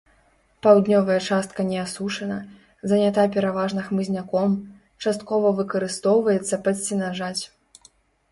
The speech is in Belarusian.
Паўднёвая частка не асушана, занята пераважна хмызняком, часткова выкарыстоўваецца пад сенажаць.